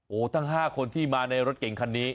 โอ้โหทั้ง๕คนที่มาในรถเก่งคันนี้